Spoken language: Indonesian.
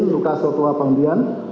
luka suatu panggian